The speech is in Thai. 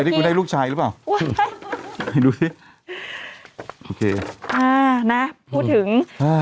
ดูสิโอเคอ่านะพูดถึงอ่า